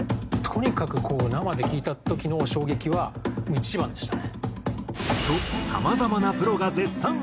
とにかくこう生で聴いた時の衝撃は一番でしたね。とさまざまなプロが絶賛してきたが。